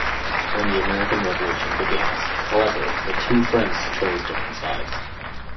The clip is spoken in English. When the American Revolution begins, however, the two friends choose different sides.